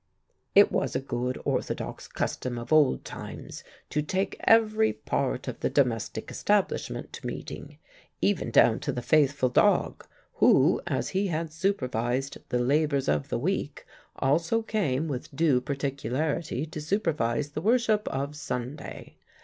It was a good orthodox custom of old times to take every part of the domestic establishment to meeting, even down to the faithful dog, who, as he had supervised the labors of the week, also came with due particularity to supervise the worship of Sunday.